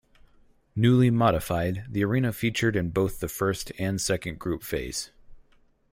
Newly modified, the arena featured in both the first and second group phase.